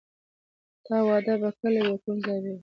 د تا واده به کله وي او کوم ځای به وي